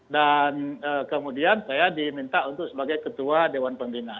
dan kemudian saya diminta untuk sebagai ketua dewan pembina